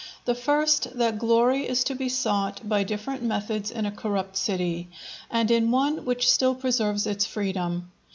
The first, that glory is to be sought by different methods in a corrupt city, and in one which still preserves its freedom.